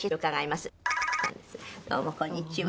どうもこんにちは。